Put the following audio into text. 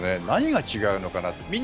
何が違うのかなと。